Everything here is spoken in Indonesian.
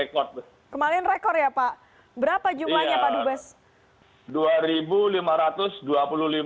kemarin rekor ya pak berapa jumlahnya pak dubes